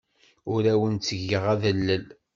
Ur awen-ttgeɣ adellel.